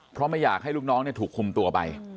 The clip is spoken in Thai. เพราะไม่อยากให้ลูกน้องถูกคุมตัวไป